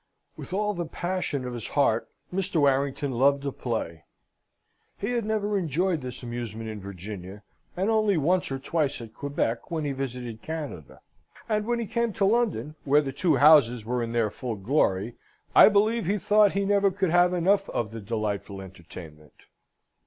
With all the passion of his heart Mr. Warrington loved a play. He had never enjoyed this amusement in Virginia, and only once or twice at Quebec, when he visited Canada; and when he came to London, where the two houses were in their full glory, I believe he thought he never could have enough of the delightful entertainment.